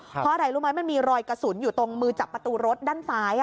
เพราะอะไรรู้ไหมมันมีรอยกระสุนอยู่ตรงมือจับประตูรถด้านซ้าย